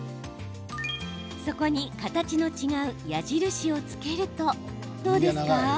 そこに形の違う矢印をつけるとどうですか？